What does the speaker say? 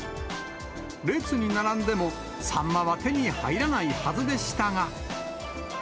列に並んでもサンマは手に入らないはずでしたが。